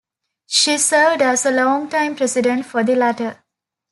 She served as a longtime president for the latter.